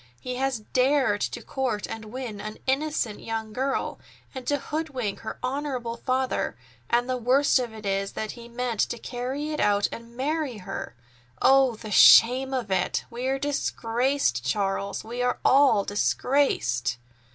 He has dared to court and win an innocent young girl, and to hoodwink her honorable father. And the worst of it is that he meant to carry it out and marry her! Oh the shame of it! We are disgraced, Charles! We are all disgraced!"